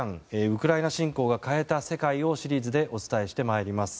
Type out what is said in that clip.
ウクライナ侵攻が変えた世界をシリーズでお伝えしてまいります。